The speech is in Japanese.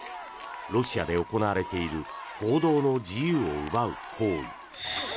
ロシアで行われている報道の自由を奪う行為。